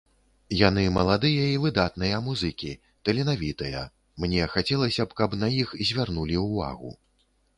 Яны маладыя і выдатныя музыкі, таленавітыя, мне хацелася б, каб на іх звярнулі ўвагу.